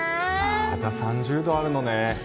まだ３０度あるのね。